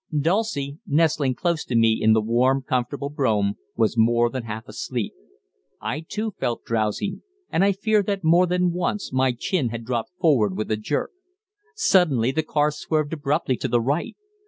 Dulcie, nestling close to me in the warm, comfortable brougham, was more than half asleep. I too felt drowsy, and I fear that more than once my chin had dropped forward with a jerk. Suddenly the car swerved abruptly to the right.